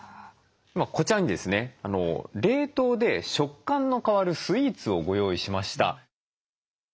こちらにですね冷凍で食感の変わるスイーツをご用意しました。